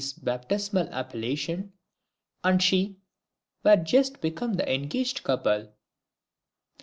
's baptismal appellation) and she were just become the engaged couple!